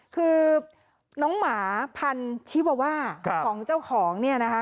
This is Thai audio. คือน้องหมาพันชิวาว่าของเจ้าของเนี่ยนะคะ